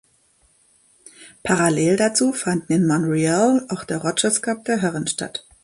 Parallel dazu fanden in Montreal auch der Rogers Cup der Herren statt.